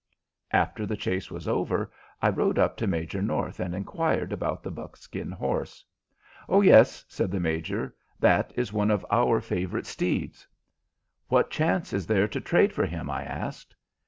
After the chase was over I rode up to Major North and inquired about the buckskin horse. "Oh yes," said the Major; "that is one of our favorite steeds." "What chance is there to trade for him?" I asked.